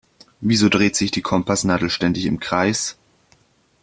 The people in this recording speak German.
Wieso dreht sich die Kompassnadel ständig im Kreis?